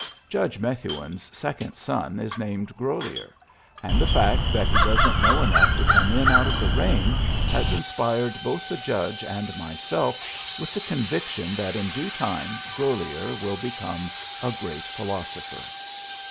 Judge Methuen's second son is named Grolier; and the fact that he doesn't know enough to come in out of the rain has inspired both the Judge and myself with the conviction that in due time Grolier will become a great philosopher.